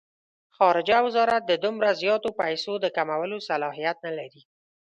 خارجه وزارت د دومره زیاتو پیسو د کمولو صلاحیت نه لري.